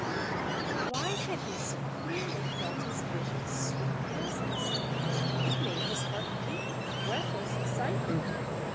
But why had he so clearly felt his vision's sweet presence? It made his heart beat with breathless excitement.